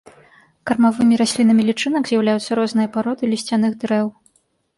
Кармавымі раслінамі лічынак з'яўляюцца розныя пароды лісцяных дрэў.